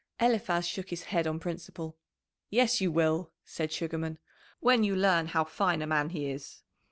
Eliphaz shook his head on principle. "Yes, you will," said Sugarman, "when you learn how fine a man he is."